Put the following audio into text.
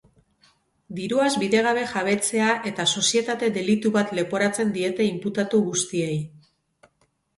Diruaz bidegabe jabetzea eta sozietate delitu bat leporatzen diete inputatu guztiei.